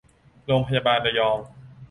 โรงพยาบาลระยอง